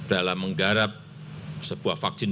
dalam menggarap sebuah vaksin